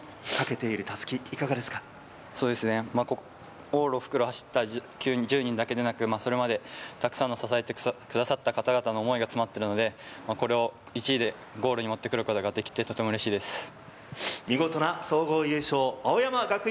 かけている襷は往路、復路走った１０人だけでなく、これまでたくさん支えてくださった方々の思いが詰まっているので、これを１位でゴールに持ってくることができてとても嬉しいです。